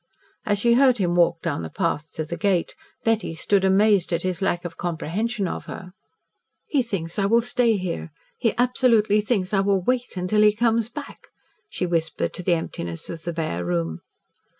As she heard him walk down the path to the gate, Betty stood amazed at his lack of comprehension of her. "He thinks I will stay here. He absolutely thinks I will wait until he comes back," she whispered to the emptiness of the bare room.